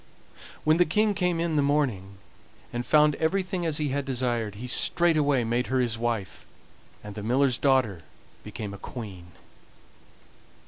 When the King came in the morning, and found everything as he had desired, he straightway made her his wife, and the miller's daughter became a queen.